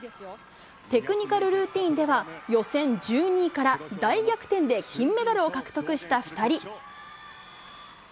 テクニカルルーティンでは、予選１２位から大逆転で金メダルを獲得した２人。